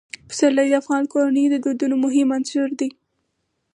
پسرلی د افغان کورنیو د دودونو مهم عنصر دی.